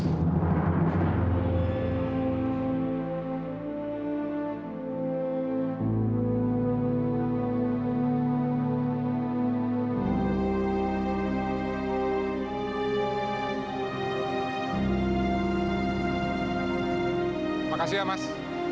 terima kasih mas